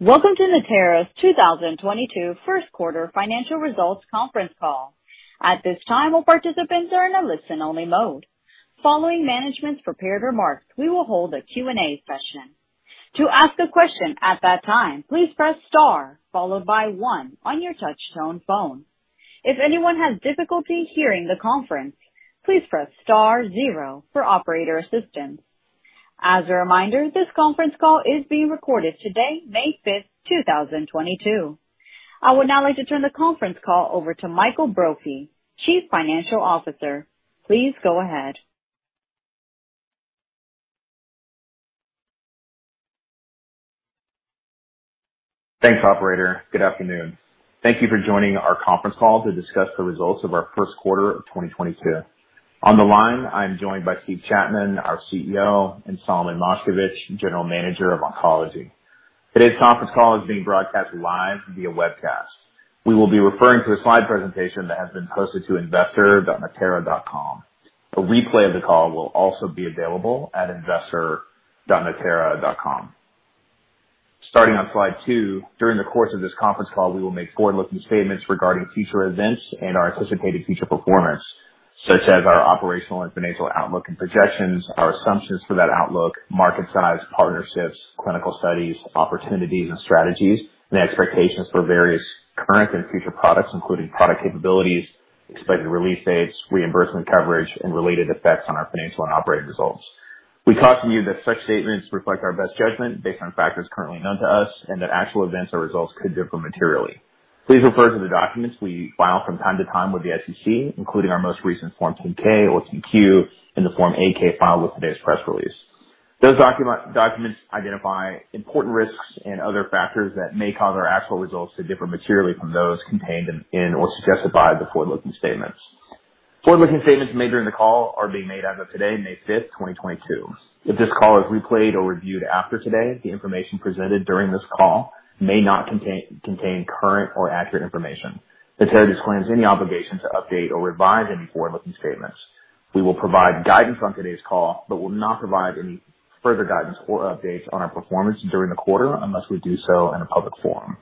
Welcome to Natera's 2022 first quarter financial results conference call. At this time, all participants are in a listen-only mode. Following management's prepared remarks, we will hold a Q&A session. To ask a question at that time, please press star followed by one on your touch tone phone. If anyone has difficulty hearing the conference, please press star zero for operator assistance. As a reminder, this conference call is being recorded today, May 5th, 2022. I would now like to turn the conference call over to Michael Brophy, Chief Financial Officer. Please go ahead. Thanks, operator. Good afternoon. Thank you for joining our conference call to discuss the results of our first quarter of 2022. On the line, I am joined by Steve Chapman, our CEO, and Solomon Moshkevich, General Manager of Oncology. Today's conference call is being broadcast live via webcast. We will be referring to a slide presentation that has been posted to investor.natera.com. A replay of the call will also be available at investor.natera.com. Starting on slide two, during the course of this conference call, we will make forward-looking statements regarding future events and our anticipated future performance, such as our operational and financial outlook and projections, our assumptions for that outlook, market size, partnerships, clinical studies, opportunities and strategies, and expectations for various current and future products, including product capabilities, expected release dates, reimbursement coverage, and related effects on our financial and operating results. We caution you that such statements reflect our best judgment based on factors currently known to us, and that actual events or results could differ materially. Please refer to the documents we file from time to time with the SEC, including our most recent Form 10-K or 10-Q and the Form 8-K filed with today's press release. Those documents identify important risks and other factors that may cause our actual results to differ materially from those contained in or suggested by the forward-looking statements. Forward-looking statements made during the call are being made as of today, May 5th, 2022. If this call is replayed or reviewed after today, the information presented during this call may not contain current or accurate information. Natera disclaims any obligation to update or revise any forward-looking statements. We will provide guidance on today's call, but will not provide any further guidance or updates on our performance during the quarter unless we do so in a public forum.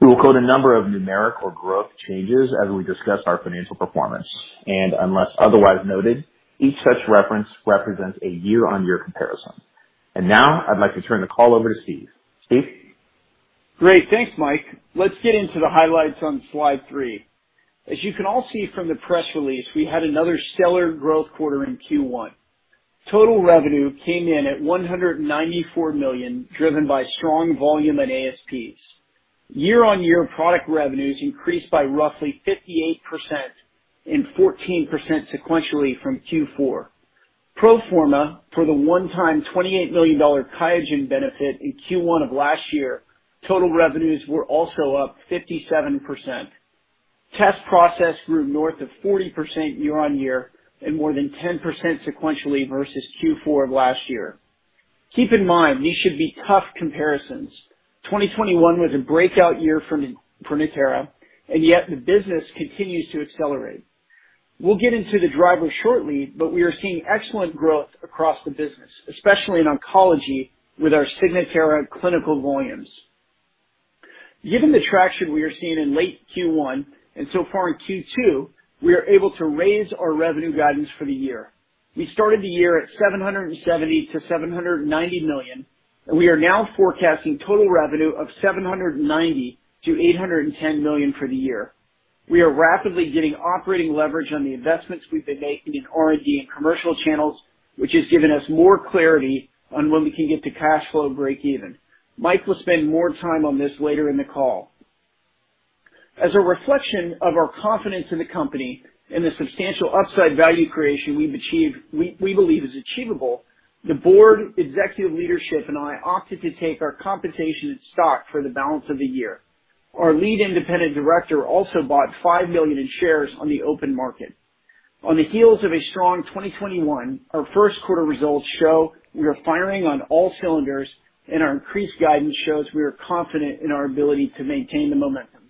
We will quote a number of numeric or growth changes as we discuss our financial performance, and unless otherwise noted, each such reference represents a year-on-year comparison. Now I'd like to turn the call over to Steve. Steve? Great. Thanks, Mike. Let's get into the highlights on slide three. As you can all see from the press release, we had another stellar growth quarter in Q1. Total revenue came in at $194 million, driven by strong volume and ASPs. Year-on-year product revenues increased by roughly 58% and 14% sequentially from Q4. Pro forma for the one-time $28 million QIAGEN benefit in Q1 of last year, total revenues were also up 57%. Test processing grew north of 40% year on year and more than 10% sequentially versus Q4 of last year. Keep in mind these should be tough comparisons. 2021 was a breakout year for Natera, and yet the business continues to accelerate. We'll get into the drivers shortly, but we are seeing excellent growth across the business, especially in Oncology with our Signatera clinical volumes. Given the traction we are seeing in late Q1 and so far in Q2, we are able to raise our revenue guidance for the year. We started the year at $770 million-$790 million, and we are now forecasting total revenue of $790 million-$810 million for the year. We are rapidly getting operating leverage on the investments we've been making in R&D and commercial channels, which has given us more clarity on when we can get to cash flow breakeven. Mike will spend more time on this later in the call. As a reflection of our confidence in the company and the substantial upside value creation we've achieved, we believe is achievable, the board, executive leadership, and I opted to take our compensation in stock for the balance of the year. Our lead independent director also bought $5 million in shares on the open market. On the heels of a strong 2021, our first quarter results show we are firing on all cylinders, and our increased guidance shows we are confident in our ability to maintain the momentum.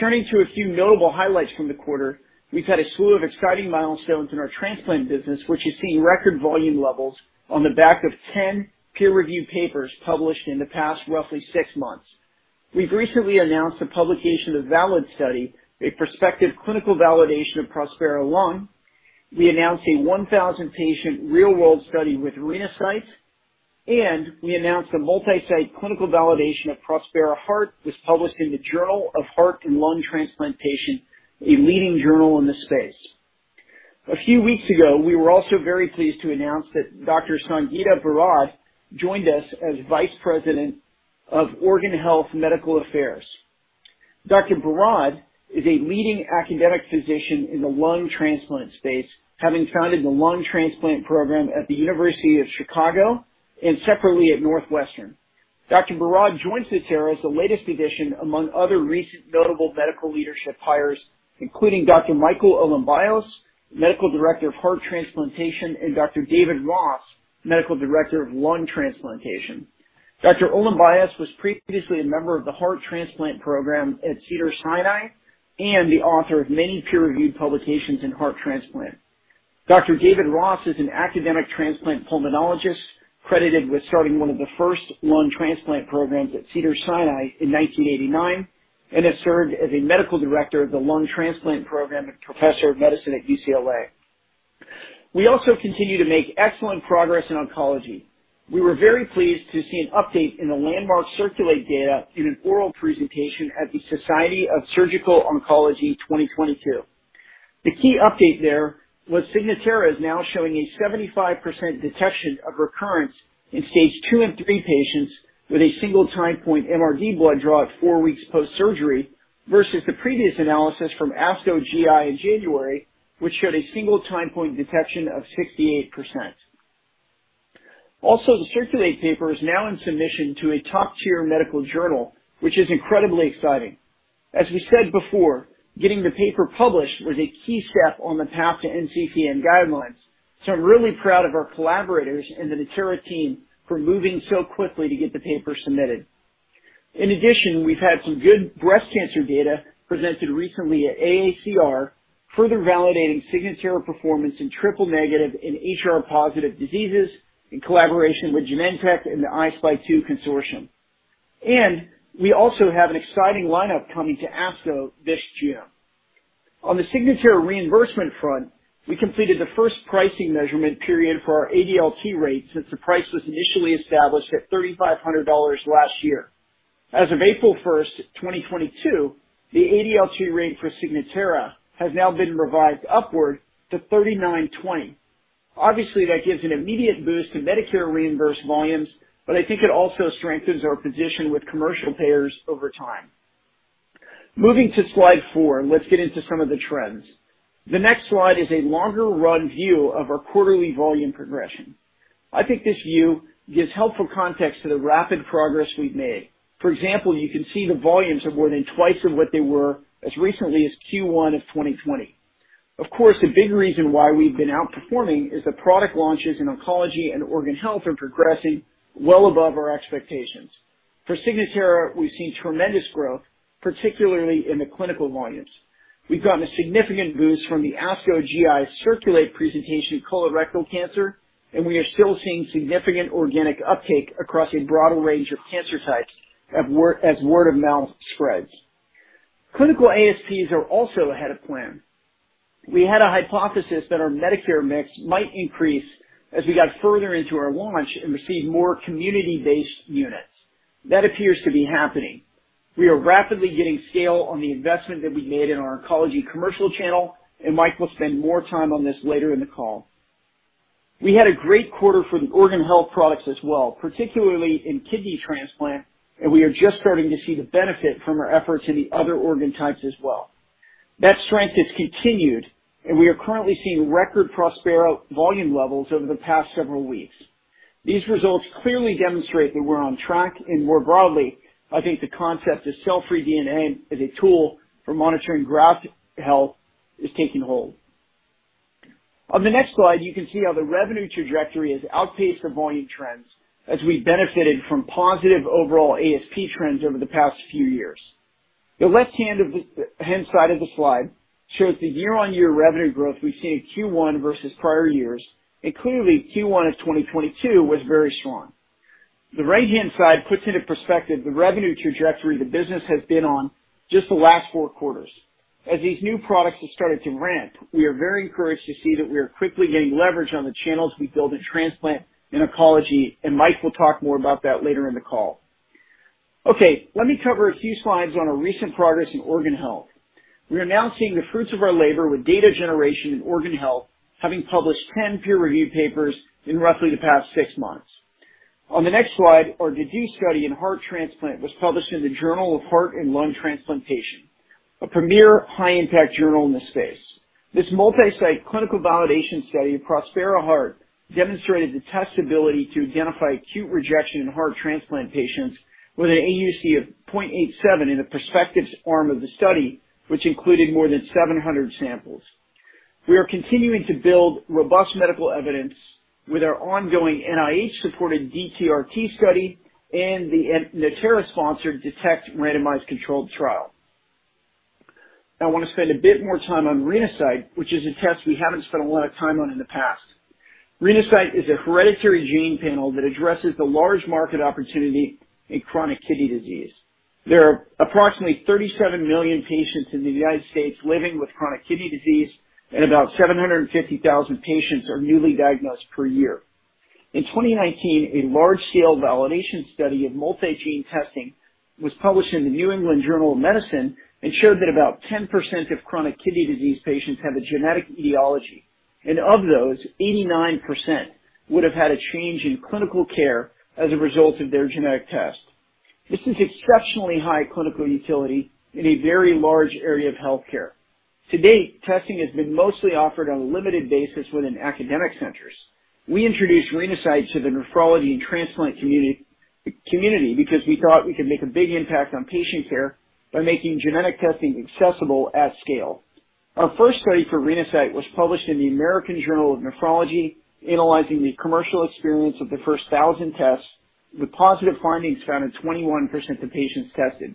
Turning to a few notable highlights from the quarter, we've had a slew of exciting milestones in our transplant business, which is seeing record volume levels on the back of 10 peer-reviewed papers published in the past roughly six months. We've recently announced the publication of VALID study, a prospective clinical validation of Prospera Lung. We announced a 1,000-patient real-world study with Renasight, and we announced a multi-site clinical validation of Prospera Heart was published in The Journal of Heart and Lung Transplantation, a leading journal in this space. A few weeks ago, we were also very pleased to announce that Dr. Sangeeta Bhorade joined us as Vice President of Organ Health Medical Affairs. Dr. Bhorade is a leading academic physician in the lung transplant space, having founded the lung transplant program at the University of Chicago and separately at Northwestern. Dr. Bhorade joins Natera as the latest addition among other recent notable medical leadership hires, including Dr. Michael Olymbios, Medical Director of Heart Transplantation, and Dr. David Ross, Medical Director of Lung Transplantation. Dr. Olymbios was previously a member of the heart transplant program at Cedars-Sinai and the author of many peer-reviewed publications in heart transplant. Dr. David Ross is an academic transplant pulmonologist credited with starting one of the first lung transplant programs at Cedars-Sinai in 1989, and has served as a Medical Director of the lung transplant program and Professor of Medicine at UCLA. We also continue to make excellent progress in Oncology. We were very pleased to see an update in the landmark CIRCULATE data in an oral presentation at the Society of Surgical Oncology 2022. The key update there was Signatera is now showing a 75% detection of recurrence in Stage II and III patients with a single timepoint MRD blood draw at four weeks post-surgery versus the previous analysis from ASCO GI in January, which showed a single timepoint detection of 68%. Also, the CIRCULATE paper is now in submission to a top-tier medical journal, which is incredibly exciting. As we said before, getting the paper published was a key step on the path to NCCN guidelines, so I'm really proud of our collaborators and the Natera team for moving so quickly to get the paper submitted. In addition, we've had some good breast cancer data presented recently at AACR, further validating Signatera performance in triple negative and HR positive diseases in collaboration with Genentech and the I-SPY 2 consortium. We also have an exciting lineup coming to ASCO this year. On the Signatera reimbursement front, we completed the first pricing measurement period for our ADLT rate since the price was initially established at $3,500 last year. As of April 1, 2022, the ADLT rate for Signatera has now been revised upward to $3,920. Obviously, that gives an immediate boost to Medicare reimbursed volumes, but I think it also strengthens our position with commercial payers over time. Moving to slide four, let's get into some of the trends. The next slide is a longer run view of our quarterly volume progression. I think this view gives helpful context to the rapid progress we've made. For example, you can see the volumes are more than twice of what they were as recently as Q1 of 2020. Of course, a big reason why we've been outperforming is the product launches in Oncology and Organ Health are progressing well above our expectations. For Signatera, we've seen tremendous growth, particularly in the clinical volumes. We've gotten a significant boost from the ASCO GI CIRCULATE presentation colorectal cancer, and we are still seeing significant organic uptake across a broader range of cancer types as word of mouth spreads. Clinical ASPs are also ahead of plan. We had a hypothesis that our Medicare mix might increase as we got further into our launch and received more community-based units. That appears to be happening. We are rapidly getting scale on the investment that we made in our Oncology commercial channel, and Mike will spend more time on this later in the call. We had a great quarter for the organ health products as well, particularly in kidney transplant, and we are just starting to see the benefit from our efforts in the other organ types as well. That strength has continued, and we are currently seeing record Prospera volume levels over the past several weeks. These results clearly demonstrate that we're on track, and more broadly, I think the concept of cell-free DNA as a tool for monitoring graft health is taking hold. On the next slide, you can see how the revenue trajectory has outpaced the volume trends as we benefited from positive overall ASP trends over the past few years. The left-hand side of the slide shows the year-on-year revenue growth we've seen in Q1 versus prior years, and clearly, Q1 of 2022 was very strong. The right-hand side puts into perspective the revenue trajectory the business has been on just the last four quarters. As these new products have started to ramp, we are very encouraged to see that we are quickly gaining leverage on the channels we build in transplant and Oncology, and Mike will talk more about that later in the call. Okay, let me cover a few slides on our recent progress in organ health. We are now seeing the fruits of our labor with data generation in organ health, having published 10 peer-reviewed papers in roughly the past six months. On the next slide, our DEDUCE study in heart transplant was published in the Journal of Heart and Lung Transplantation, a premier high-impact journal in this space. This multi-site clinical validation study of Prospera Heart demonstrated the test's ability to identify acute rejection in heart transplant patients with an AUC of 0.87 in the prospective arm of the study, which included more than 700 samples. We are continuing to build robust medical evidence with our ongoing NIH-supported DTRT study and the Natera-sponsored DETECT randomized controlled trial. I wanna spend a bit more time on Renasight, which is a test we haven't spent a lot of time on in the past. Renasight is a hereditary gene panel that addresses the large market opportunity in chronic kidney disease. There are approximately 37 million patients in the United States living with chronic kidney disease, and about 750,000 patients are newly diagnosed per year. In 2019, a large-scale validation study of multi-gene testing was published in the New England Journal of Medicine and showed that about 10% of chronic kidney disease patients have a genetic etiology. Of those, 89% would have had a change in clinical care as a result of their genetic test. This is exceptionally high clinical utility in a very large area of healthcare. To date, testing has been mostly offered on a limited basis within academic centers. We introduced Renasight to the nephrology and transplant community because we thought we could make a big impact on patient care by making genetic testing accessible at scale. Our first study for Renasight was published in the American Journal of Nephrology, analyzing the commercial experience of the first 1,000 tests, with positive findings found in 21% of patients tested.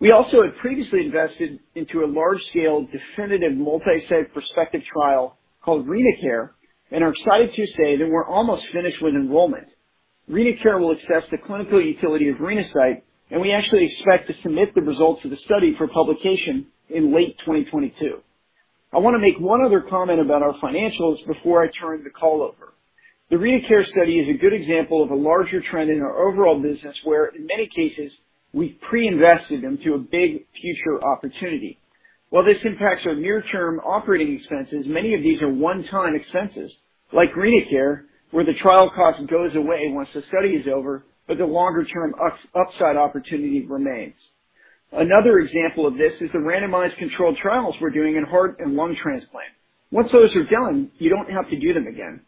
We also have previously invested into a large scale definitive multi-site prospective trial called RenaCARE and are excited to say that we're almost finished with enrollment. RenaCARE will assess the clinical utility of Renasight, and we actually expect to submit the results of the study for publication in late 2022. I wanna make one other comment about our financials before I turn the call over. The RenaCARE study is a good example of a larger trend in our overall business where, in many cases, we've pre-invested into a big future opportunity. While this impacts our near-term operating expenses, many of these are one-time expenses, like RenaCARE, where the trial cost goes away once the study is over, but the longer term upside opportunity remains. Another example of this is the randomized controlled trials we're doing in heart and lung transplant. Once those are done, you don't have to do them again.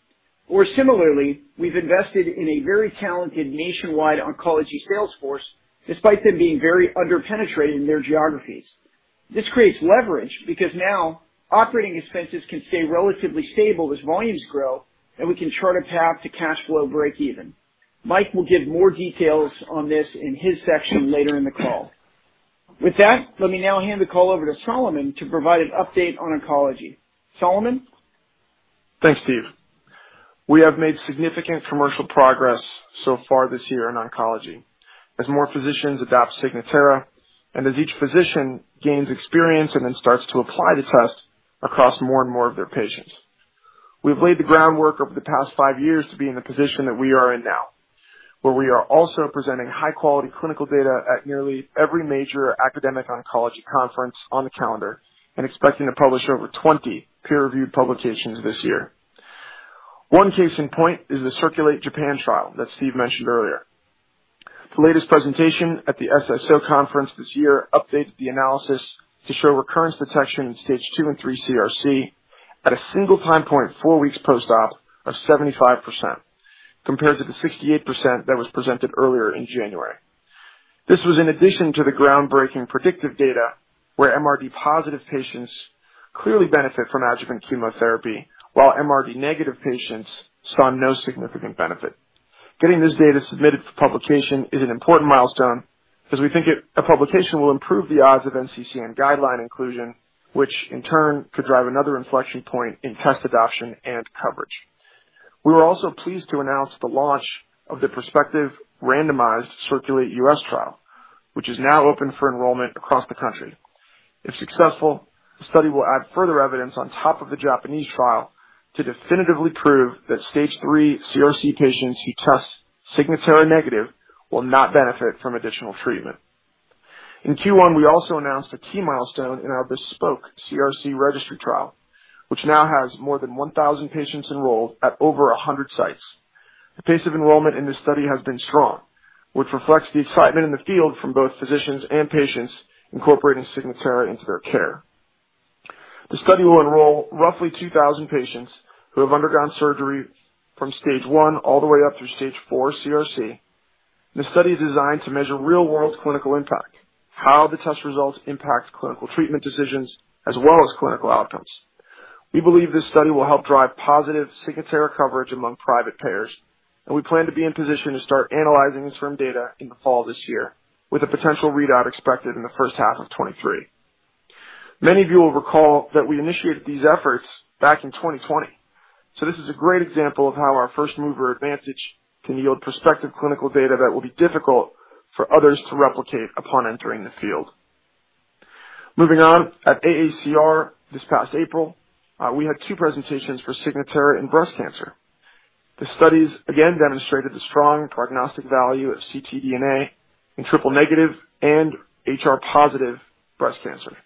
Or similarly, we've invested in a very talented nationwide Oncology sales force, despite them being very under-penetrated in their geographies. This creates leverage because now operating expenses can stay relatively stable as volumes grow, and we can chart a path to cash flow break even. Mike will give more details on this in his section later in the call. With that, let me now hand the call over to Solomon to provide an update on Oncology. Solomon? Thanks, Steve. We have made significant commercial progress so far this year in Oncology as more physicians adopt Signatera and as each physician gains experience and then starts to apply the test across more and more of their patients. We've laid the groundwork over the past five years to be in the position that we are in now, where we are also presenting high quality clinical data at nearly every major academic Oncology conference on the calendar and expecting to publish over 20 peer-reviewed publications this year. One case in point is the CIRCULATE-Japan trial that Steve mentioned earlier. The latest presentation at the SSO conference this year updated the analysis to show recurrence detection in Stage II and III CRC at a single time point, four weeks post-op of 75%, compared to the 68% that was presented earlier in January. This was in addition to the groundbreaking predictive data where MRD positive patients clearly benefit from adjuvant chemotherapy, while MRD negative patients saw no significant benefit. Getting this data submitted for publication is an important milestone because we think a publication will improve the odds of NCCN guideline inclusion, which in turn could drive another inflection point in test adoption and coverage. We were also pleased to announce the launch of the prospective randomized CIRCULATE-US trial, which is now open for enrollment across the country. If successful, the study will add further evidence on top of the Japanese trial to definitively prove that Stage III CRC patients who test Signatera negative will not benefit from additional treatment. In Q1, we also announced a key milestone in our BESPOKE CRC registry trial, which now has more than 1,000 patients enrolled at over 100 sites. The pace of enrollment in this study has been strong, which reflects the excitement in the field from both physicians and patients incorporating Signatera into their care. The study will enroll roughly 2,000 patients who have undergone surgery from Stage I all the way up through Stage IV CRC. The study is designed to measure real-world clinical impact, how the test results impact clinical treatment decisions as well as clinical outcomes. We believe this study will help drive positive Signatera coverage among private payers, and we plan to be in position to start analyzing this first data in the fall of this year, with a potential readout expected in the first half of 2023. Many of you will recall that we initiated these efforts back in 2020. This is a great example of how our first-mover advantage can yield prospective clinical data that will be difficult for others to replicate upon entering the field. Moving on, at AACR this past April, we had two presentations for Signatera in breast cancer. The studies again demonstrated the strong prognostic value of ctDNA in triple-negative and HR-positive breast cancer.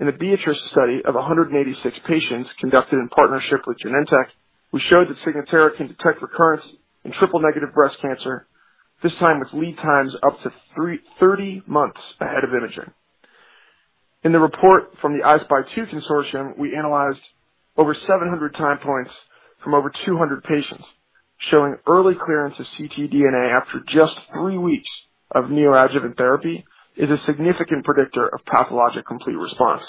In a BEATRICE study of 186 patients conducted in partnership with Genentech, we showed that Signatera can detect recurrence in triple-negative breast cancer, this time with lead times up to 30 months ahead of imaging. In the report from the I-SPY 2 consortium, we analyzed over 700 time points from over 200 patients, showing early clearance of ctDNA after just three weeks of neoadjuvant therapy is a significant predictor of pathologic complete response.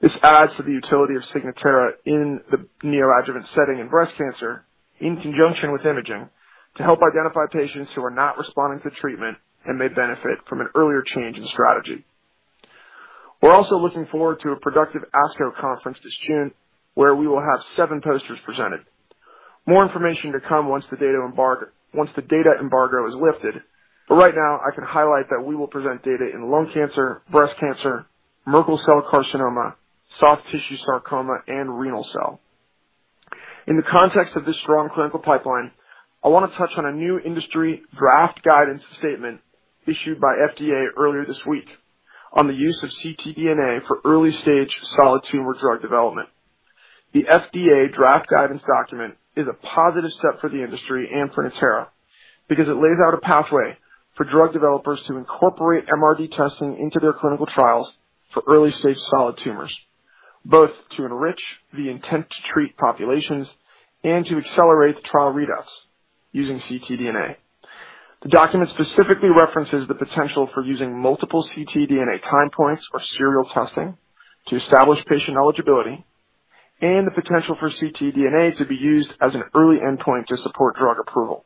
This adds to the utility of Signatera in the neoadjuvant setting in breast cancer in conjunction with imaging, to help identify patients who are not responding to treatment and may benefit from an earlier change in strategy. We're also looking forward to a productive ASCO conference this June, where we will have seven posters presented. More information to come once the data embargo is lifted, but right now I can highlight that we will present data in lung cancer, breast cancer, Merkel cell carcinoma, soft tissue sarcoma, and renal cell. In the context of this strong clinical pipeline, I wanna touch on a new industry draft guidance statement issued by FDA earlier this week on the use of ctDNA for early stage solid tumor drug development. The FDA draft guidance document is a positive step for the industry and for Natera because it lays out a pathway for drug developers to incorporate MRD testing into their clinical trials for early-stage solid tumors, both to enrich the intent to treat populations and to accelerate the trial readouts using ctDNA. The document specifically references the potential for using multiple ctDNA time points or serial testing to establish patient eligibility. The potential for ctDNA to be used as an early endpoint to support drug approval.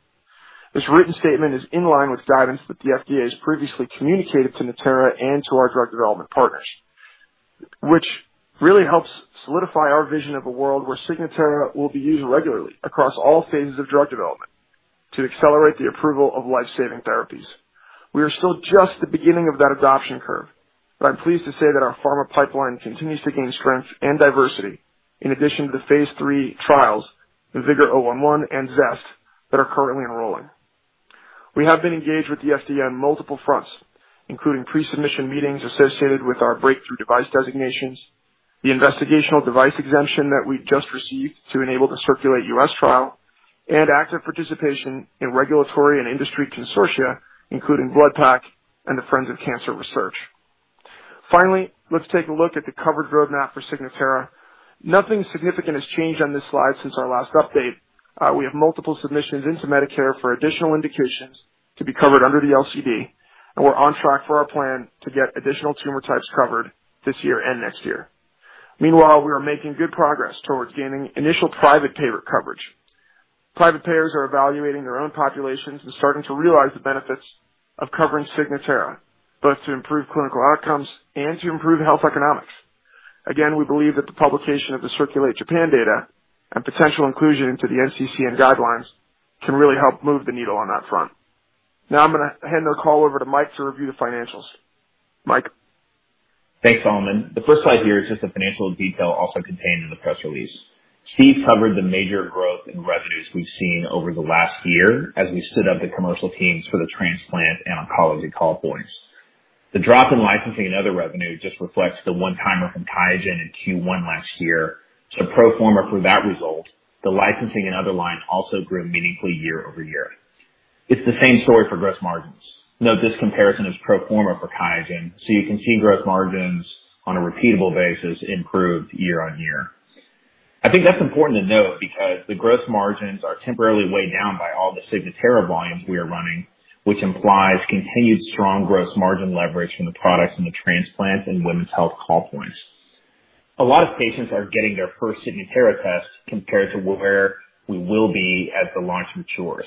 This written statement is in line with guidance that the FDA has previously communicated to Natera and to our drug development partners, which really helps solidify our vision of a world where Signatera will be used regularly across all phases of drug development to accelerate the approval of life-saving therapies. We are still just the beginning of that adoption curve, but I'm pleased to say that our pharma pipeline continues to gain strength and diversity in addition to the phase III trials, IMvigor011 and ZEST, that are currently enrolling. We have been engaged with the FDA on multiple fronts, including pre-submission meetings associated with our breakthrough device designations, the investigational device exemption that we just received to enable the CIRCULATE-US trial, and active participation in regulatory and industry consortia, including BloodPAC and the Friends of Cancer Research. Finally, let's take a look at the covered roadmap for Signatera. Nothing significant has changed on this slide since our last update. We have multiple submissions into Medicare for additional indications to be covered under the LCD, and we're on track for our plan to get additional tumor types covered this year and next year. Meanwhile, we are making good progress towards gaining initial private payer coverage. Private payers are evaluating their own populations and starting to realize the benefits of covering Signatera, both to improve clinical outcomes and to improve health economics. Again, we believe that the publication of the CIRCULATE-Japan data and potential inclusion into the NCCN guidelines can really help move the needle on that front. Now I'm gonna hand the call over to Mike to review the financials. Mike? Thanks, Solomon. The first slide here is just the financial detail also contained in the press release. Steve covered the major growth in revenues we've seen over the last year as we stood up the commercial teams for the transplant and Oncology call points. The drop in licensing and other revenue just reflects the one-timer from QIAGEN in Q1 last year. Pro forma for that result, the licensing and other lines also grew meaningfully year over year. It's the same story for gross margins. Note this comparison is pro forma for QIAGEN, so you can see gross margins on a repeatable basis improved year on year. I think that's important to note because the gross margins are temporarily weighed down by all the Signatera volumes we are running, which implies continued strong gross margin leverage from the products in the transplant and women's health call points. A lot of patients are getting their first Signatera test compared to where we will be as the launch matures.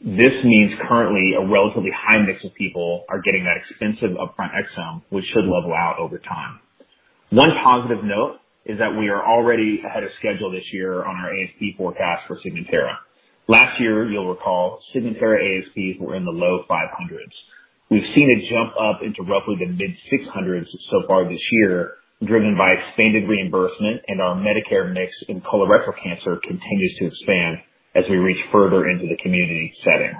This means currently a relatively high mix of people are getting that expensive upfront exome, which should level out over time. One positive note is that we are already ahead of schedule this year on our ASP forecast for Signatera. Last year, you'll recall, Signatera ASPs were in the low $500s. We've seen it jump up into roughly the mid $600s so far this year, driven by expanded reimbursement and our Medicare mix in colorectal cancer continues to expand as we reach further into the community setting.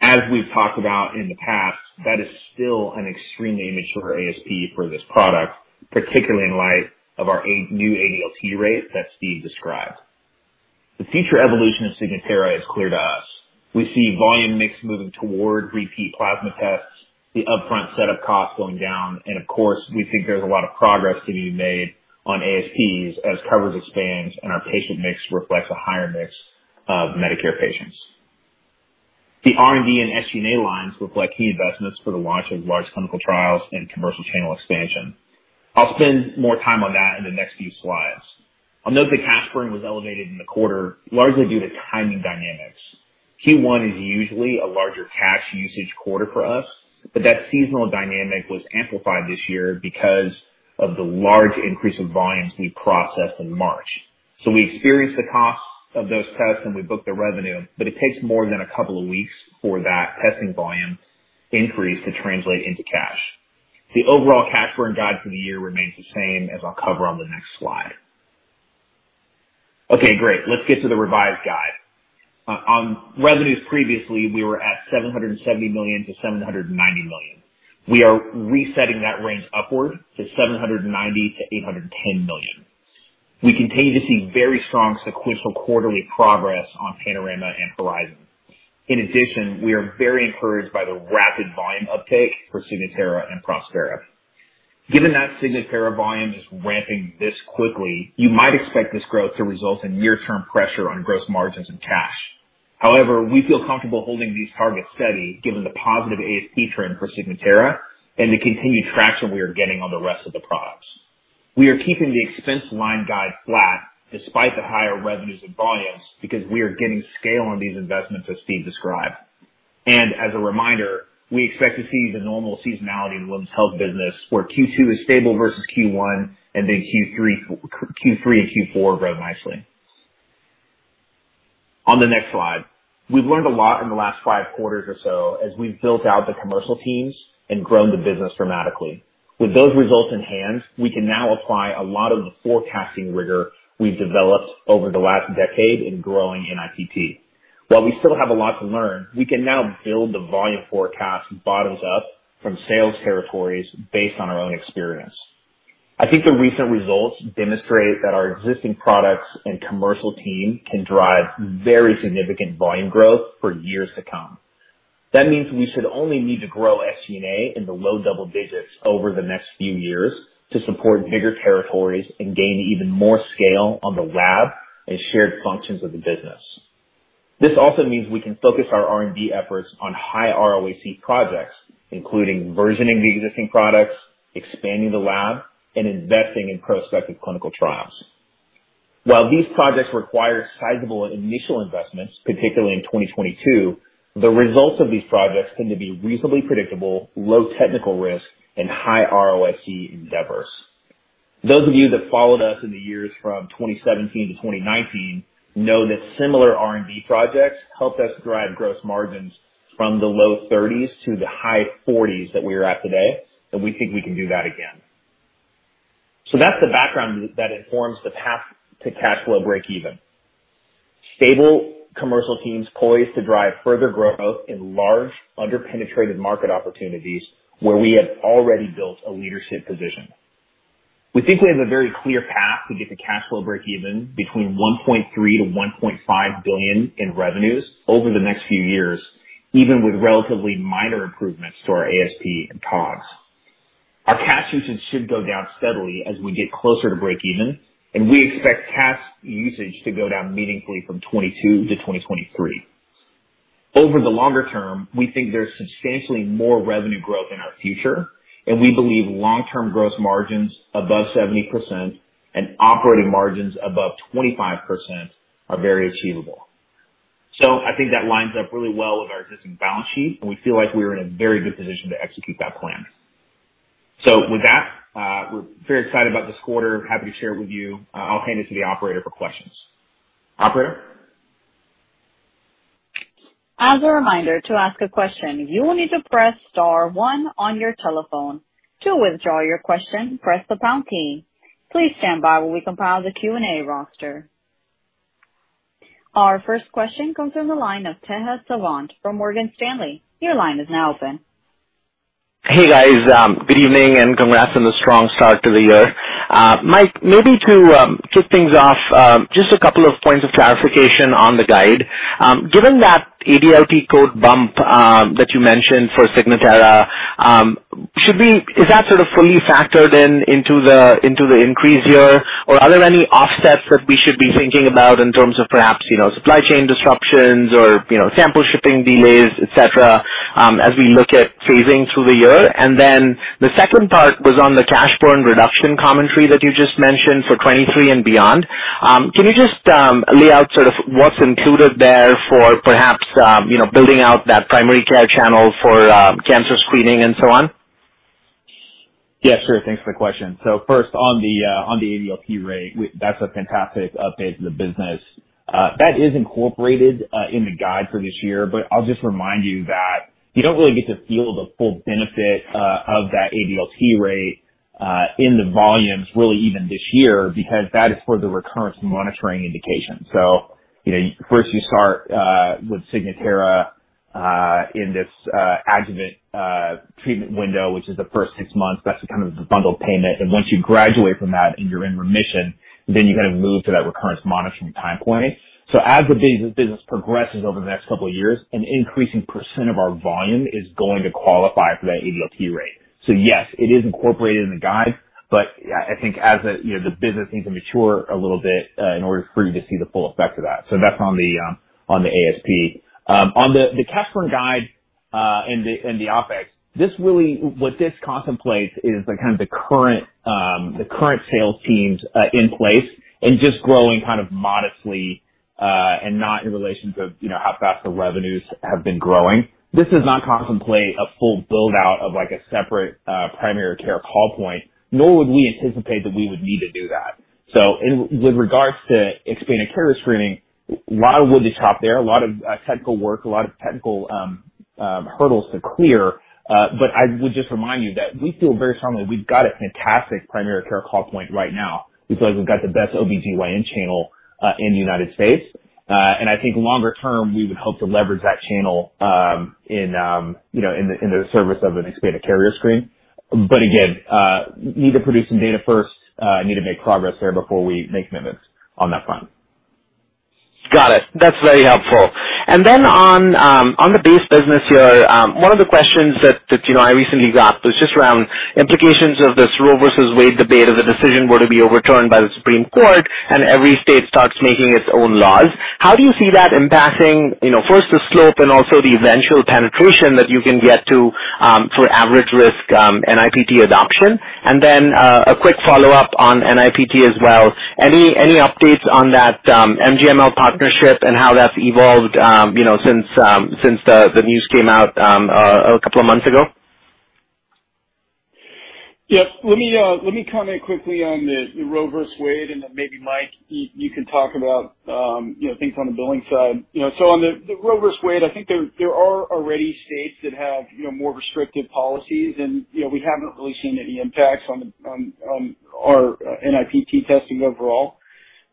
As we've talked about in the past, that is still an extremely mature ASP for this product, particularly in light of our new ADLT rate that Steve described. The future evolution of Signatera is clear to us. We see volume mix moving toward repeat plasma tests, the upfront setup costs going down, and of course, we think there's a lot of progress to be made on ASPs as coverage expands and our patient mix reflects a higher mix of Medicare patients. The R&D and SG&A lines reflect key investments for the launch of large clinical trials and commercial channel expansion. I'll spend more time on that in the next few slides. I'll note the cash burn was elevated in the quarter, largely due to timing dynamics. Q1 is usually a larger cash usage quarter for us, but that seasonal dynamic was amplified this year because of the large increase of volumes we processed in March. We experienced the costs of those tests and we booked the revenue, but it takes more than a couple of weeks for that testing volume increase to translate into cash. The overall cash burn guide for the year remains the same as I'll cover on the next slide. Okay, great. Let's get to the revised guide. On revenues, previously, we were at $770 million-$790 million. We are resetting that range upward to $790 million-$810 million. We continue to see very strong sequential quarterly progress on Panorama and Horizon. In addition, we are very encouraged by the rapid volume uptake for Signatera and Prospera. Given that Signatera volume is ramping this quickly, you might expect this growth to result in near-term pressure on gross margins and cash. However, we feel comfortable holding these targets steady given the positive ASP trend for Signatera and the continued traction we are getting on the rest of the products. We are keeping the expense line guide flat despite the higher revenues and volumes because we are getting scale on these investments, as Steve described. As a reminder, we expect to see the normal seasonality in the women's health business where Q2 is stable versus Q1 and then Q3 and Q4 grow nicely. On the next slide. We've learned a lot in the last five quarters or so as we've built out the commercial teams and grown the business dramatically. With those results in hand, we can now apply a lot of the forecasting rigor we've developed over the last decade in growing NIPT. While we still have a lot to learn, we can now build the volume forecast bottoms up from sales territories based on our own experience. I think the recent results demonstrate that our existing products and commercial team can drive very significant volume growth for years to come. That means we should only need to grow SG&A in the low double digits over the next few years to support bigger territories and gain even more scale on the lab and shared functions of the business. This also means we can focus our R&D efforts on high ROIC projects, including versioning the existing products, expanding the lab, and investing in prospective clinical trials. While these projects require sizable initial investments, particularly in 2022, the results of these projects tend to be reasonably predictable, low technical risk, and high ROIC endeavors. Those of you that followed us in the years from 2017 to 2019 know that similar R&D projects helped us drive gross margins from the low 30s to the high 40s that we are at today, and we think we can do that again. That's the background that informs the path to cash flow break even. Stable commercial teams poised to drive further growth in large, under-penetrated market opportunities where we have already built a leadership position. We think we have a very clear path to get to cash flow break even between $1.3 billion-$1.5 billion in revenues over the next few years, even with relatively minor improvements to our ASP and COGS. Our cash usage should go down steadily as we get closer to break even, and we expect cash usage to go down meaningfully from 2022 to 2023. Over the longer term, we think there's substantially more revenue growth in our future, and we believe long-term gross margins above 70% and operating margins above 25% are very achievable. I think that lines up really well with our existing balance sheet, and we feel like we are in a very good position to execute that plan. With that, we're very excited about this quarter. Happy to share it with you. I'll hand it to the operator for questions. Operator? As a reminder, to ask a question, you will need to press star one on your telephone. To withdraw your question, press the pound key. Please stand by while we compile the Q&A roster. Our first question comes from the line of Tejas Savant from Morgan Stanley. Your line is now open. Hey, guys. Good evening, and congrats on the strong start to the year. Mike, maybe to kick things off, just a couple of points of clarification on the guide. Given that ADLT code bump that you mentioned for Signatera, is that sort of fully factored in into the increase here, or are there any offsets that we should be thinking about in terms of perhaps, you know, supply chain disruptions or, you know, sample shipping delays, et cetera, as we look at phasing through the year? Then the second part was on the cash burn reduction commentary that you just mentioned for 2023 and beyond. Can you just lay out sort of what's included there for perhaps, you know, building out that primary care channel for cancer screening and so on? Yeah, sure. Thanks for the question. First on the ADLT rate, that's a fantastic update to the business. That is incorporated in the guide for this year, but I'll just remind you that you don't really get to feel the full benefit of that ADLT rate in the volumes really even this year, because that is for the recurrence monitoring indication. You know, first you start with Signatera in this adjuvant treatment window, which is the first six months. That's kind of the bundled payment, and once you graduate from that and you're in remission, then you kind of move to that recurrence monitoring time point. As the business progresses over the next couple of years, an increasing percent of our volume is going to qualify for that ADLT rate. Yes, it is incorporated in the guide, but I think as the, you know, the business needs to mature a little bit in order for you to see the full effect of that. That's on the ASP. On the cash burn guide and the OpEx, this really what this contemplates is kind of the current sales teams in place and just growing kind of modestly and not in relation to, you know, how fast the revenues have been growing. This does not contemplate a full build-out of like a separate primary care call point, nor would we anticipate that we would need to do that. With regards to expanded carrier screening, while we're doing that, a lot of technical work, a lot of technical hurdles to clear, but I would just remind you that we feel very strongly we've got a fantastic primary care call point right now because we've got the best OBGYN channel in the United States. I think longer term, we would hope to leverage that channel, you know, in the service of an expanded carrier screen. Again, need to produce some data first, need to make progress there before we make commitments on that front. Got it. That's very helpful. On the base business here, one of the questions that you know I recently got was just around implications of this Roe v. Wade debate if the decision were to be overturned by the Supreme Court and every state starts making its own laws. How do you see that impacting you know first the slope and also the eventual penetration that you can get to for average-risk NIPT adoption? A quick follow-up on NIPT as well. Any updates on that Mass General partnership and how that's evolved you know since the news came out a couple of months ago? Yes. Let me comment quickly on the Roe v. Wade and then maybe, Mike, you can talk about, you know, things on the billing side. You know, on the Roe v. Wade, I think there are already states that have, you know, more restrictive policies and, you know, we haven't really seen any impacts on our NIPT testing overall.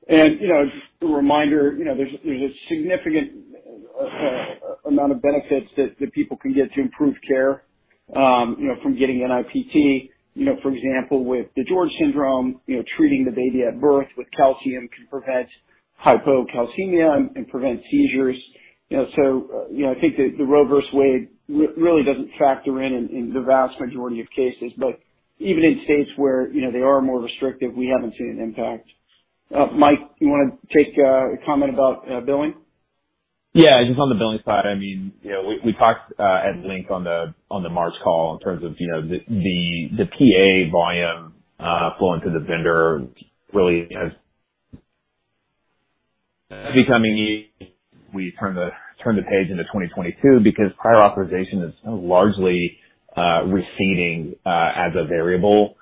You know, just a reminder, you know, there's a significant amount of benefits that people can get to improve care, you know, from getting NIPT. You know, for example, with the DiGeorge syndrome, you know, treating the baby at birth with calcium can prevent hypocalcemia and prevent seizures. You know, I think the Roe v. Wade really doesn't factor in the vast majority of cases. Even in states where, you know, they are more restrictive, we haven't seen an impact. Mike, you wanna take a comment about billing? Yeah. Just on the billing side, I mean, you know, we talked at length on the March call in terms of, you know, the PA volume flowing to the vendor really has become as we turn the page into 2022 because prior authorization is largely receding as a variable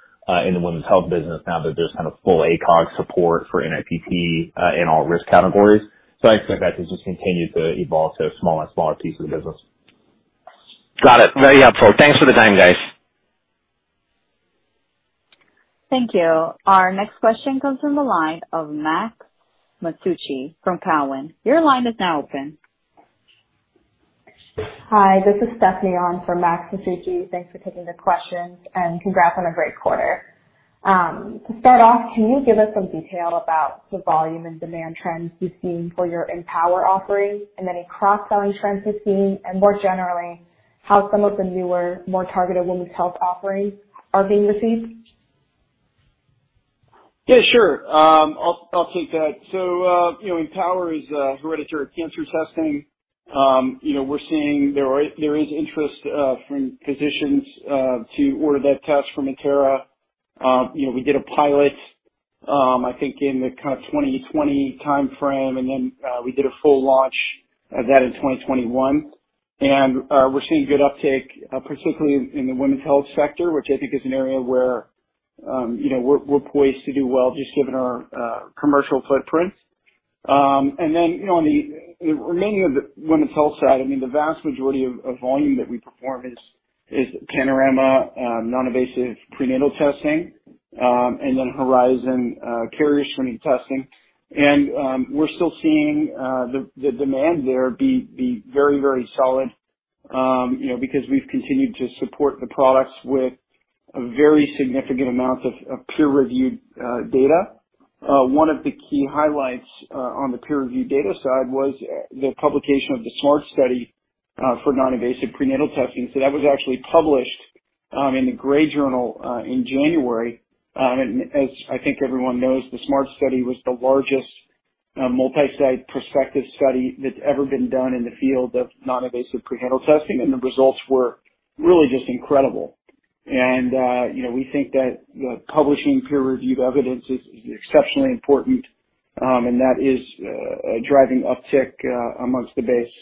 in the women's health business now that there's kind of full ACOG support for NIPT in all risk categories. I expect that to just continue to evolve to a smaller and smaller piece of the business. Got it. Very helpful. Thanks for the time, guys. Thank you. Our next question comes from the line of Max Masucci from Cowen. Your line is now open. Hi, this is Stephanie Yan on for Max Masucci. Thanks for taking the questions, and congrats on a great quarter. To start off, can you give us some detail about the volume and demand trends you're seeing for your Empower offerings, and any cross-selling trends you're seeing, and more generally, how some of the newer, more targeted women's health offerings are being received? Yeah, sure. I'll take that. You know, Empower is hereditary cancer testing. You know, we're seeing there is interest from physicians to order that test from Natera. You know, we did a pilot, I think in the kind of 2020 timeframe, and then we did a full launch of that in 2021. We're seeing good uptake, particularly in the women's health sector, which I think is an area where you know, we're poised to do well just given our commercial footprint. You know, on the remaining of the women's health side, I mean, the vast majority of volume that we perform is Panorama, non-invasive prenatal testing, and then Horizon, carrier screening testing. We're still seeing the demand there be very solid, you know, because we've continued to support the products with a very significant amount of peer-reviewed data. One of the key highlights on the peer-reviewed data side was the publication of the SMART study for non-invasive prenatal testing. That was actually published in the Green Journal in January. As I think everyone knows, the SMART study was the largest multi-site prospective study that's ever been done in the field of non-invasive prenatal testing, and the results were really just incredible. You know, we think that publishing peer-reviewed evidence is exceptionally important, and that is a driving uptick amongst the base.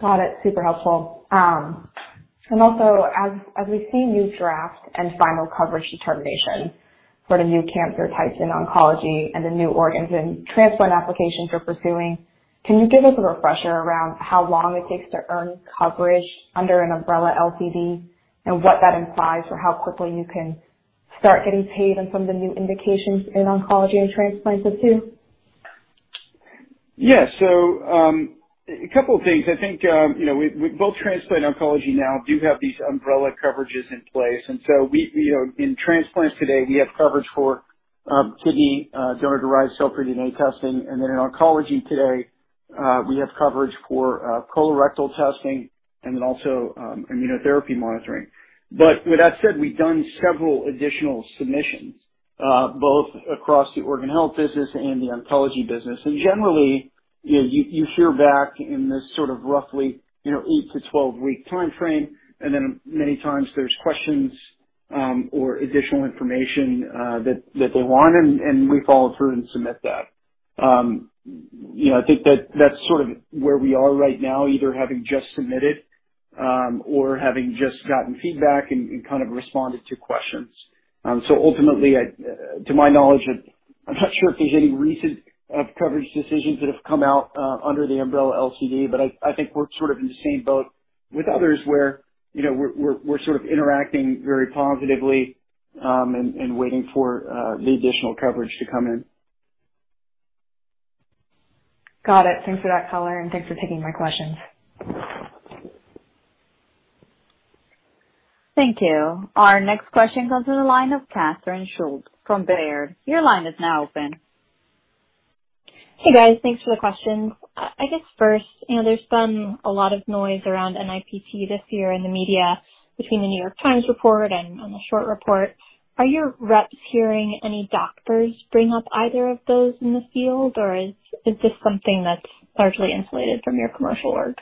Got it. Super helpful. As we see new draft and final coverage determinations for the new cancer types in Oncology and the new organs and transplant applications you're pursuing, can you give us a refresher around how long it takes to earn coverage under an umbrella LCD and what that implies for how quickly you can start getting paid on some of the new indications in Oncology and transplants, too? Yeah. So, a couple of things. I think, you know, we both transplant and Oncology now do have these umbrella coverages in place. We, you know, in transplants today, we have coverage for kidney donor-derived cell-free DNA testing. In Oncology today, we have coverage for colorectal testing and then also immunotherapy monitoring. With that said, we've done several additional submissions both across the Organ Health business and the Oncology business. Generally, you know, you hear back in this sort of roughly, you know, eight to 12-week timeframe, and then many times there's questions or additional information that they want, and we follow through and submit that. You know, I think that that's sort of where we are right now, either having just submitted or having just gotten feedback and kind of responded to questions. Ultimately, to my knowledge, I'm not sure if there's any recent coverage decisions that have come out under the umbrella LCD, but I think we're sort of in the same boat with others where, you know, we're sort of interacting very positively and waiting for the additional coverage to come in. Got it. Thanks for that color, and thanks for taking my questions. Thank you. Our next question comes to the line of Catherine Schulte from Baird. Your line is now open. Hey, guys. Thanks for the questions. I guess first, you know, there's been a lot of noise around NIPT this year in the media between the New York Times report and the short report. Are your reps hearing any doctors bring up either of those in the field, or is this something that's largely insulated from your commercial work?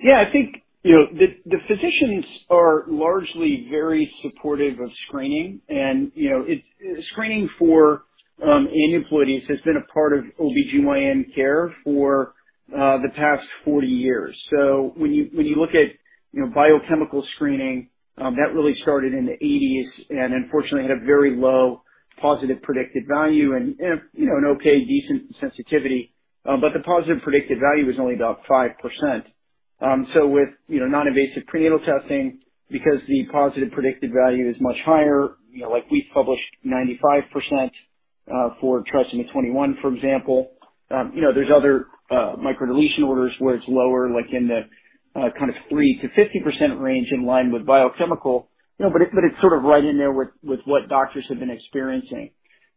Yeah. I think, you know, the physicians are largely very supportive of screening and, you know, it's screening for aneuploidies has been a part of OBGYN care for the past 40 years. When you look at, you know, biochemical screening, that really started in the 1980s and unfortunately had a very low positive predictive value and, you know, an okay decent sensitivity. The positive predictive value is only about 5%. With non-invasive prenatal testing because the positive predictive value is much higher, you know, like we've published 95% for trisomy 21, for example. You know, there's other microdeletion disorders where it's lower, like in the kind of 3%-50% range in line with biochemical. You know, it's sort of right in there with what doctors have been experiencing.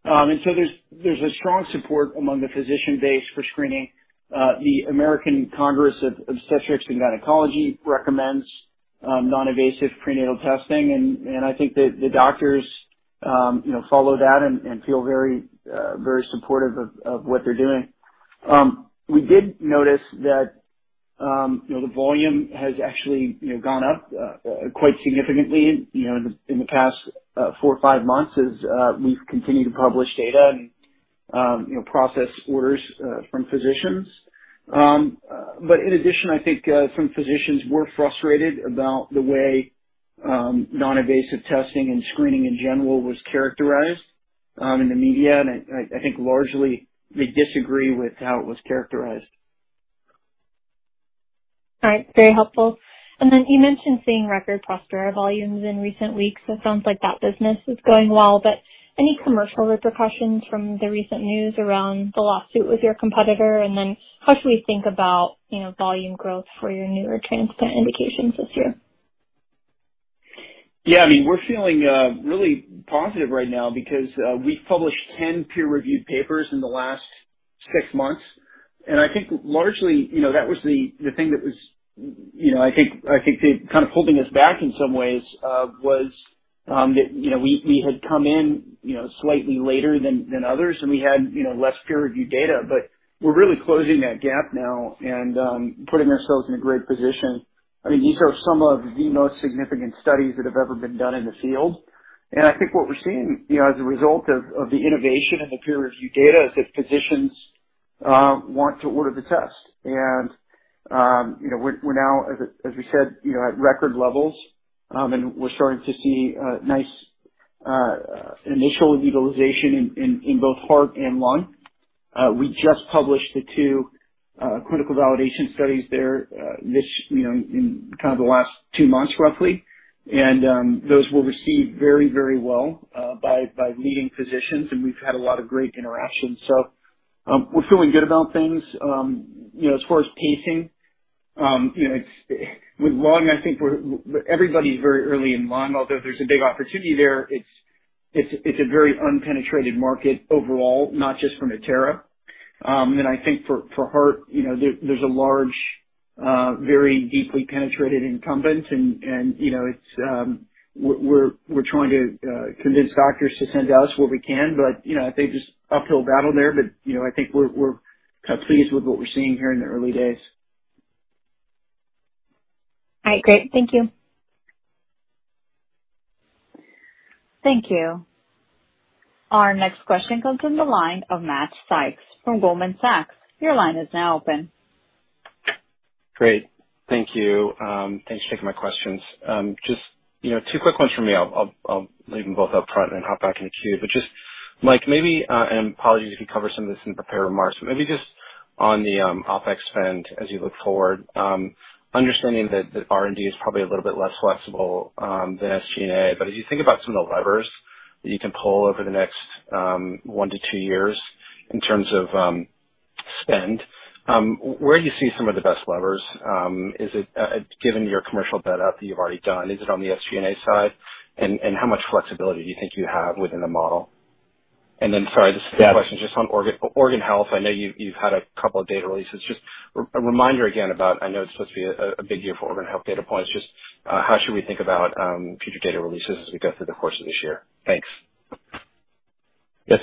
There's a strong support among the physician base for screening. The American College of Obstetricians and Gynecologists recommends non-invasive prenatal testing, and I think that the doctors, you know, follow that and feel very supportive of what they're doing. We did notice that, you know, the volume has actually, you know, gone up quite significantly, you know, in the past four or five months as we've continued to publish data and, you know, process orders from physicians. In addition, I think some physicians were frustrated about the way non-invasive testing and screening in general was characterized in the media. I think largely they disagree with how it was characterized. All right. Very helpful. Then you mentioned seeing record Prospera volumes in recent weeks. It sounds like that business is going well, but any commercial repercussions from the recent news around the lawsuit with your competitor? Then how should we think about, you know, volume growth for your newer transplant indications this year? Yeah. I mean, we're feeling really positive right now because we've published 10 peer-reviewed papers in the last six months. I think largely, you know, that was the thing that was kind of holding us back in some ways, that you know, we had come in you know, slightly later than others, and we had you know, less peer-reviewed data. We're really closing that gap now and putting ourselves in a great position. I mean, these are some of the most significant studies that have ever been done in the field. I think what we're seeing, you know, as a result of the innovation and the peer review data, is that physicians want to order the test. We're now, as we said, you know, at record levels, and we're starting to see nice initial utilization in both heart and lung. We just published the two critical validation studies there, this you know in kind of the last two months, roughly. Those were received very, very well by leading physicians, and we've had a lot of great interactions. We're feeling good about things. You know, as far as pacing, you know, it's. With lung, I think everybody's very early in lung, although there's a big opportunity there. It's a very unpenetrated market overall, not just for Natera. I think for heart, you know, there's a large, very deeply penetrated incumbent and, you know, we're trying to convince doctors to send to us where we can. You know, I think it's uphill battle there. You know, I think we're kind of pleased with what we're seeing here in the early days. All right. Great. Thank you. Thank you. Our next question comes from the line of Matt Sykes from Goldman Sachs. Your line is now open. Great. Thank you. Thanks for taking my questions. Just, you know, two quick ones from me. I'll leave them both up front and then hop back in the queue. Just, Mike, maybe, and apologies if you covered some of this in prepared remarks, but maybe just on the OpEx spend as you look forward, understanding that R&D is probably a little bit less flexible than SG&A. As you think about some of the levers that you can pull over the next one to two years in terms of spend, where do you see some of the best levers? Is it, given your commercial build-up that you've already done, on the SG&A side? How much flexibility do you think you have within the model? Sorry, this is the second question. Yeah. Just on Organ Health. I know you've had a couple of data releases. Just a reminder again about, I know it's supposed to be a big year for Organ Health data points. Just how should we think about future data releases as we go through the course of this year? Thanks. Yes.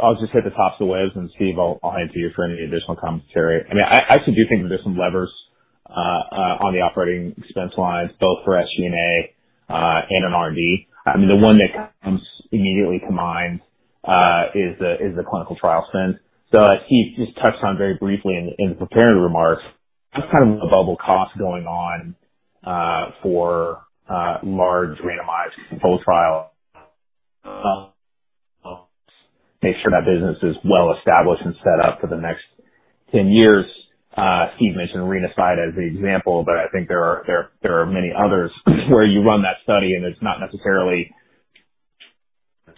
I'll just hit the tops of the waves, and Steve will add to it for any additional commentary. I mean, I actually do think that there's some levers on the operating expense lines, both for SG&A and in R&D. I mean, the one that comes immediately to mind is the clinical trial spend. So as Steve just touched on very briefly in the prepared remarks, that's kind of an overall cost going on for a large randomized controlled trial to make sure that business is well established and set up for the next 10 years. Steve mentioned RenaCARE as the example, but I think there are many others where you run that study and it's not necessarily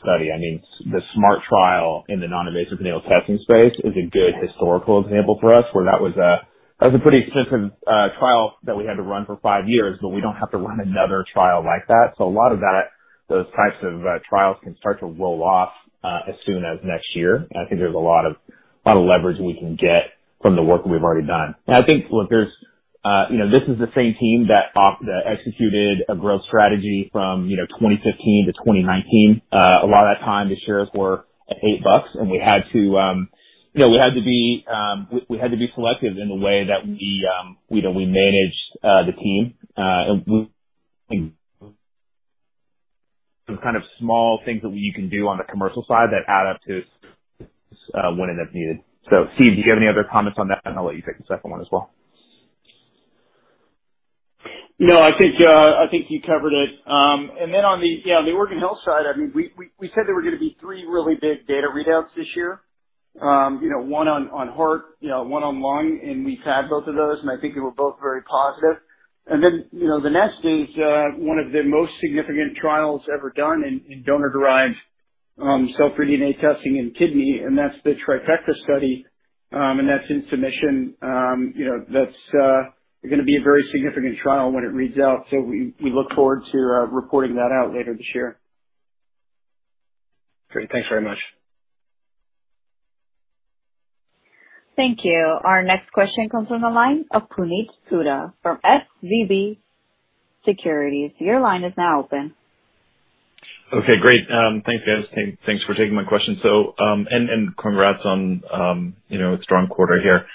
study. I mean, the SMART trial in the non-invasive renal testing space is a good historical example for us, where that was a pretty extensive trial that we had to run for five years, but we don't have to run another trial like that. A lot of that, those types of trials can start to roll off as soon as next year. I think there's a lot of leverage we can get from the work that we've already done. I think, look, there's you know, this is the same team that executed a growth strategy from you know, 2015 to 2019. A lot of that time, the shares were at $8, and we had to be selective in the way that we managed the team. We have some kind of small things that we can do on the commercial side that add up to, when and if needed. So, Steve, do you have any other comments on that? I'll let you take the second one as well. No, I think you covered it. Then on the organ health side, I mean, we said there were gonna be three really big data readouts this year. You know, one on heart, you know, one on lung, and we've had both of those, and I think they were both very positive. Then, you know, the next is one of the most significant trials ever done in donor-derived cell-free DNA testing in kidney, and that's the Trifecta study, and that's in submission. You know, that's gonna be a very significant trial when it reads out, so we look forward to reporting that out later this year. Great. Thanks very much. Thank you. Our next question comes from the line of Puneet Souda from SVB Securities. Your line is now open. Okay, great. Thanks, guys. Thanks for taking my question. Congrats on, you know, a strong quarter here.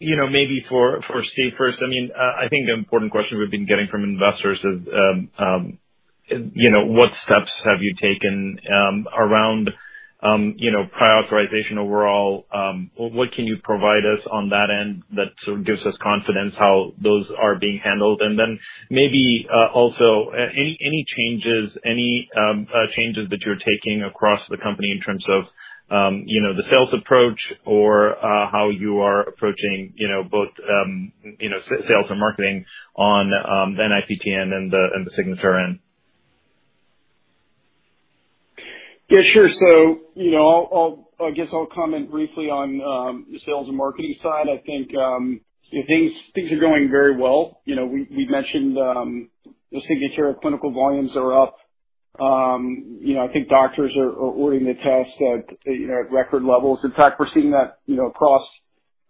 Maybe for Steve first, I mean, I think the important question we've been getting from investors is, you know, what steps have you taken around, you know, prior authorization overall? What can you provide us on that end that sort of gives us confidence how those are being handled? Then maybe also, any changes that you're taking across the company in terms of, you know, the sales approach or how you are approaching, you know, both, you know, sales and marketing on the NIPT and the Signatera end. Yeah, sure. You know, I'll, I guess I'll comment briefly on the sales and marketing side. I think things are going very well. You know, we've mentioned the Signatera clinical volumes are up. You know, I think doctors are ordering the test at you know at record levels. In fact, we're seeing that you know across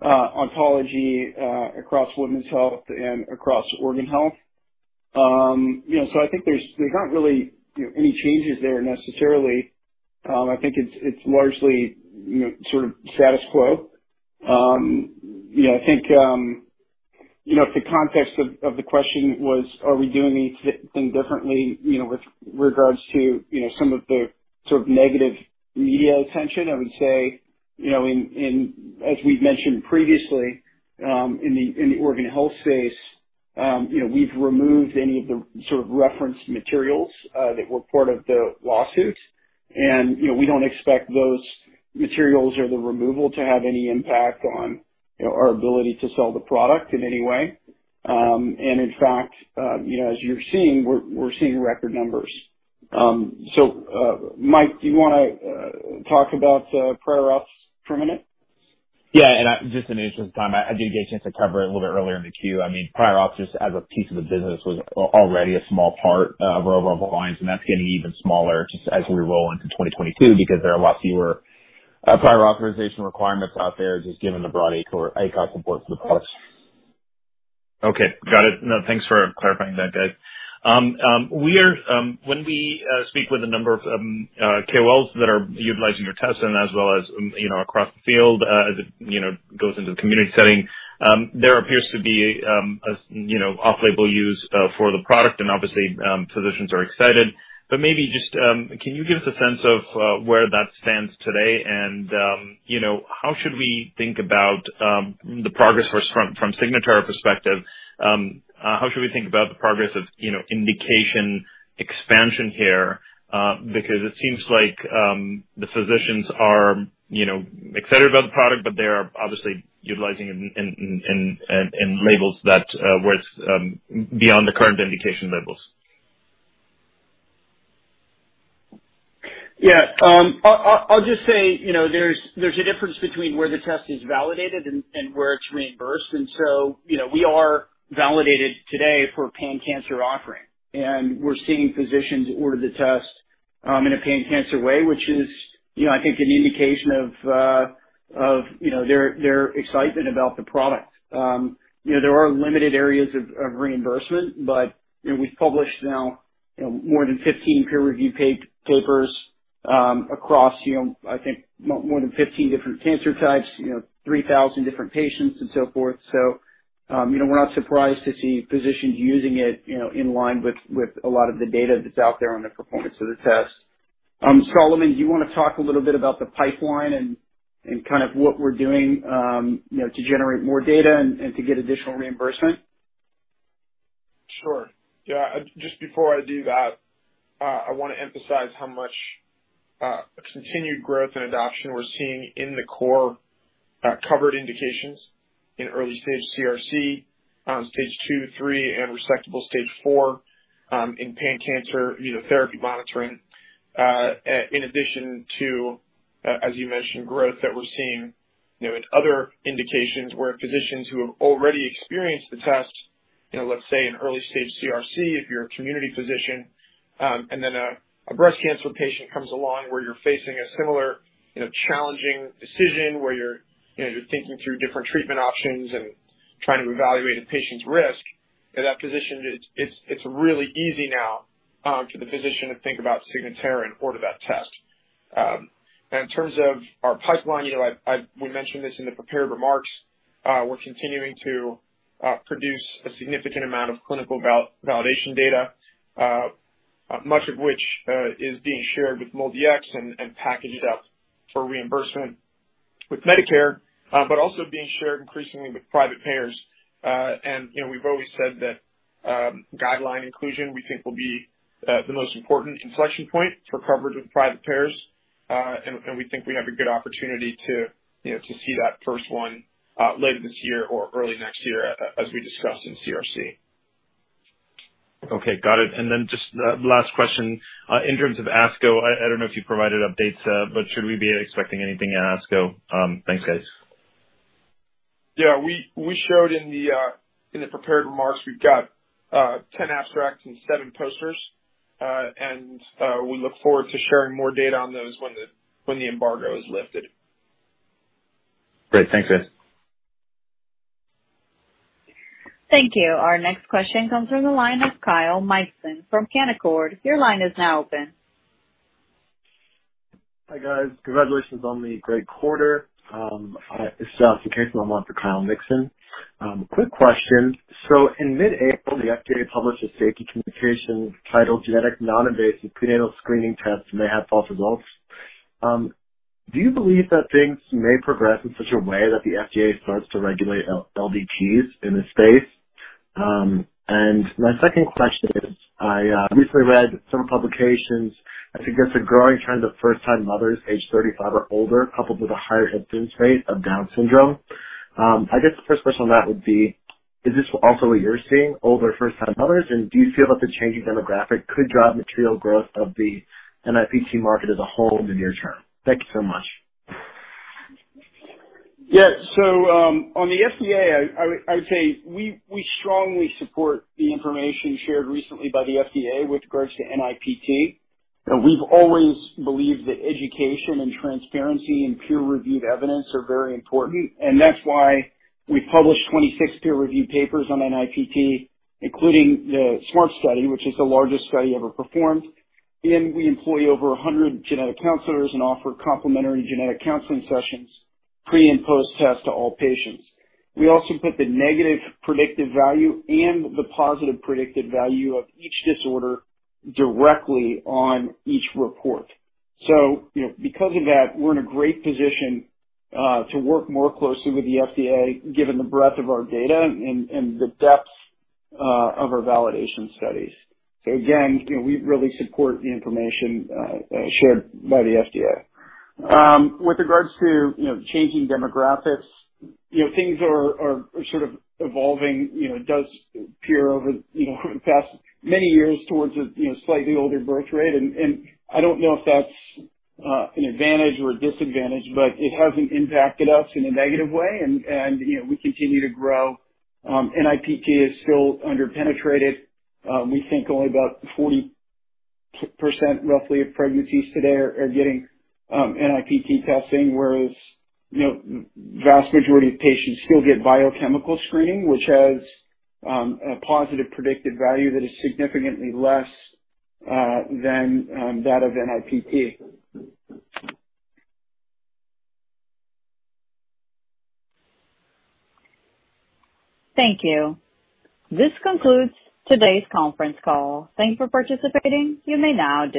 Oncology across women's health and across organ health. You know, so I think there aren't really you know any changes there necessarily. I think it's largely you know sort of status quo. You know, I think, you know, if the context of the question was, are we doing anything differently, you know, with regards to, you know, some of the sort of negative media attention, I would say, you know, as we've mentioned previously, in the organ health space, you know, we've removed any of the sort of referenced materials that were part of the lawsuits. You know, we don't expect those materials or the removal to have any impact on, you know, our ability to sell the product in any way. In fact, you know, as you're seeing, we're seeing record numbers. Mike, do you wanna talk about prior auths for a minute? Yeah. Just in the interest of time, I did get a chance to cover it a little bit earlier in the queue. I mean, prior auths, just as a piece of the business, was already a small part of our overall volumes, and that's getting even smaller just as we roll into 2022 because there are a lot fewer prior authorization requirements out there, just given the broad ACOG support for the test. Okay. Got it. No, thanks for clarifying that, guys. When we speak with a number of KOLs that are utilizing your tests and as well as, you know, across the field, as it, you know, goes into the community setting, there appears to be, you know, off-label use for the product and obviously physicians are excited. Maybe just can you give us a sense of where that stands today and, you know, how should we think about the progress from Signatera perspective, how should we think about the progress of, you know, indication expansion here? Because it seems like the physicians are, you know, excited about the product, but they are obviously utilizing in labels that where it's beyond the current indication labels. Yeah. I'll just say, you know, there's a difference between where the test is validated and where it's reimbursed. You know, we are validated today for pan cancer offering, and we're seeing physicians order the test in a pan cancer way, which is, you know, I think an indication of their excitement about the product. You know, there are limited areas of reimbursement, but, you know, we've published now more than 15 peer review papers across, you know, I think more than 15 different cancer types, you know, 3,000 different patients and so forth. You know, we're not surprised to see physicians using it in line with a lot of the data that's out there on the performance of the test. Solomon, do you wanna talk a little bit about the pipeline and kind of what we're doing, you know, to generate more data and to get additional reimbursement? Sure. Yeah, just before I do that, I wanna emphasize how much continued growth and adoption we're seeing in the core covered indications in early stage CRC, Stage II, III, and resectable Stage IV, in pan cancer, you know, therapy monitoring. In addition to, as you mentioned, growth that we're seeing, you know, in other indications where physicians who have already experienced the test, you know, let's say in early stage CRC, if you're a community physician, and then a breast cancer patient comes along where you're facing a similar, you know, challenging decision where you're, you know, you're thinking through different treatment options and trying to evaluate a patient's risk. In that position, it's really easy now to the physician to think about Signatera and order that test. In terms of our pipeline, you know, we mentioned this in the prepared remarks. We're continuing to produce a significant amount of clinical validation data, much of which is being shared with MolDX and packaged up for reimbursement with Medicare, but also being shared increasingly with private payers. You know, we've always said that guideline inclusion, we think will be the most important inflection point for coverage with private payers. We think we have a good opportunity to, you know, to see that first one, later this year or early next year as we discussed in CRC. Okay, got it. Just last question. In terms of ASCO, I don't know if you've provided updates, but should we be expecting anything at ASCO? Thanks, guys. Yeah, we showed in the prepared remarks. We've got 10 abstracts and seven posters. We look forward to sharing more data on those when the embargo is lifted. Great. Thanks, guys. Thank you. Our next question comes from the line of Kyle Mikson from Canaccord. Your line is now open. Hi, guys. Congratulations on the great quarter. This is Kyle Mikson. Quick question. In mid-April, the FDA published a safety communication titled Genetic Non-Invasive Prenatal Screening Tests May Have False Results. Do you believe that things may progress in such a way that the FDA starts to regulate LDTs in the space? And my second question is, I recently read some publications that suggest a growing trend of first-time mothers aged 35 or older, coupled with a higher incidence rate of Down syndrome. I guess the first question on that would be, is this also what you're seeing, older first-time mothers, and do you feel that the changing demographic could drive material growth of the NIPT market as a whole in the near term? Thank you so much. Yeah. On the FDA, I would say we strongly support the information shared recently by the FDA with regards to NIPT. You know, we've always believed that education and transparency and peer-reviewed evidence are very important, and that's why we published 26 peer-reviewed papers on NIPT, including the SMART study, which is the largest study ever performed. We employ over 100 genetic counselors and offer complimentary genetic counseling sessions, pre- and post-test to all patients. We also put the negative predictive value and the positive predictive value of each disorder directly on each report. You know, because of that, we're in a great position to work more closely with the FDA, given the breadth of our data and the depth of our validation studies. Again, you know, we really support the information shared by the FDA. With regards to, you know, changing demographics, you know, things are sort of evolving. You know, it does appear over the past many years towards a, you know, slightly older birth rate. I don't know if that's an advantage or a disadvantage, but it hasn't impacted us in a negative way. We continue to grow. NIPT is still under-penetrated. We think only about 40%, roughly, of pregnancies today are getting NIPT testing, whereas, you know, vast majority of patients still get biochemical screening, which has a positive predictive value that is significantly less than that of NIPT. Thank you. This concludes today's conference call. Thank you for participating. You may now disconnect.